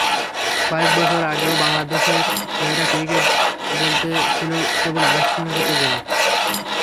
কয়েক বছর আগেও বাংলাদেশের মেয়েদের ক্রিকেট বলতে ছিল কেবল আনুষ্ঠানিকতা যেন।